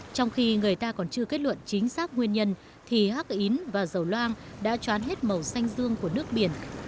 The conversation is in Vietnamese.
trong khi người ta còn chưa kết luận chính xác nguyên nhân thì hắc in và dầu loang đã choán hết màu xanh dương của nước biển